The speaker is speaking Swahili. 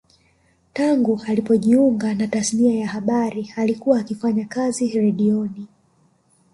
Tangu alipojiunga na tasnia ya habari alikuwa akifanya kazi redioni